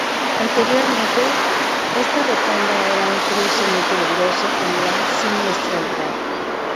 Anteriormente, esta rotonda era un cruce muy peligroso con gran siniestralidad.